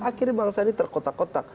akhirnya bangsa ini terkotak kotak